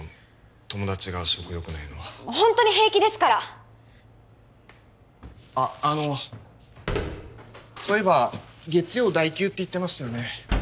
友達が食欲ないのはホントに平気ですからあっあのそういえば月曜代休って言ってましたよね